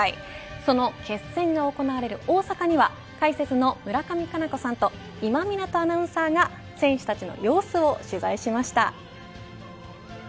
その決戦が行われる大阪には解説の村上佳菜子さんと今湊アナウンサーが選手たちの様子を取材しました。